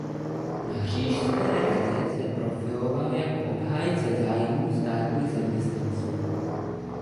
Na Říšské radě se profiloval jako obhájce zájmů státních zaměstnanců.